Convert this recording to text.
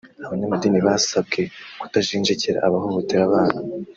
Abanyamadini basabwe kutajejenkera abahohotera abana